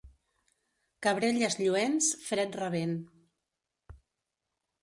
Cabrelles lluents, fred rabent.